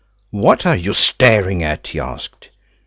"What are you staring at?" he asked.